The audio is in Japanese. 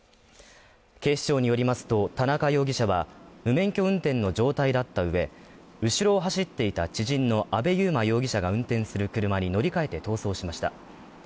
警視庁によりますと、田中容疑者は無免許運転の状態だった上、後ろを走っていた知人の阿部悠真容疑者が運転する車に乗り換えて逃走しました。